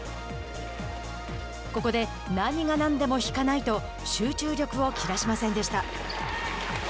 ここで何が何でも引かないと集中力を切らしませんでした。